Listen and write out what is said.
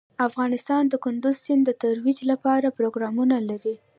افغانستان د کندز سیند د ترویج لپاره پروګرامونه لري.